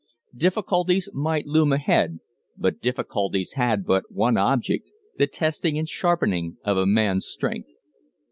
Difficulties might loom ahead, but difficulties had but one object the testing and sharpening of a man's strength.